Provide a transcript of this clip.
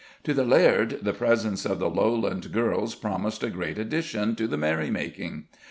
To the laird the presence of the lowland girls promised a great addition to the merry making.